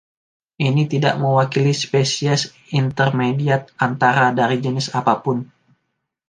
Ini tidak mewakili spesies intermediat (antara) dari jenis apapun.